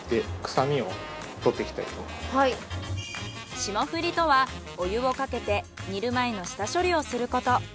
霜降りとはお湯をかけて煮る前の下処理をすること。